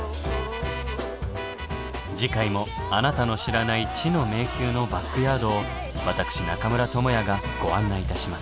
次回もあなたの知らない知の迷宮のバックヤードを私中村倫也がご案内いたします。